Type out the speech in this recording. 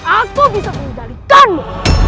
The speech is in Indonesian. aku bisa mengendalikanmu